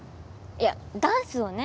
いやダンスをね